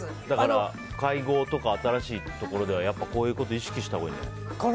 会合とか新しいところではこういうことを意識したほうがいいんじゃないですか。